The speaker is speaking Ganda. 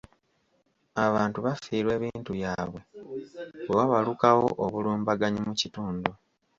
Abantu bafiirwa ebintu byabwe bwe wabalukawo obulumbaganyi mu kitundu.